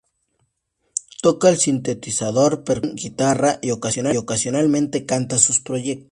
Toca el sintetizador, percusión, guitarra y ocasionalmente canta sus proyectos.